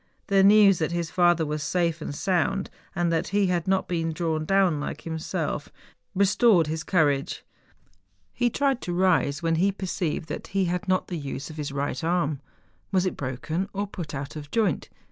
The news that his father was safe and , sound, and that he had not been drawn down like himself, restored his 94 MOUNTAIN ADVENTURES. courage. He tried to rise, when he perceived that he had not the use of his right arm. Was it broken or put out of joint?